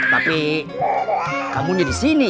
tapi kamu jadi di sini